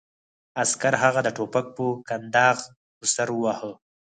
عسکر هغه د ټوپک په کنداغ په سر وواهه